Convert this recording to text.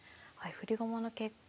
振り駒の結果